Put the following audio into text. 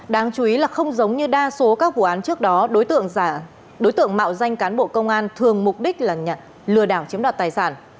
đáng chú ý là không giống như đa số các vụ án trước đó đối tượng mạo danh cán bộ công an thường mục đích là lừa đảo chiếm đoạt tài sản